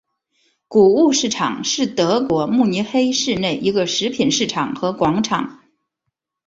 谷物市场是德国慕尼黑市内一个食品市场和广场。